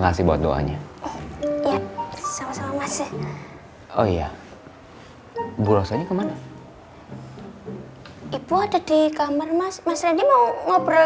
kasih buat duanya sama sama masih oh iya bangunya kemana ibu aja di kamera mas mas rady mau ngobrol